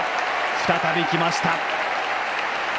再びきました！